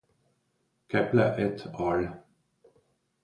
Keppler et al.